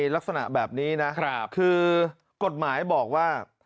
ลักษณะแบบนี้นะคือกฎหมายบอกว่า